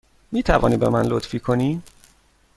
می توانی به من لطفی بکنی؟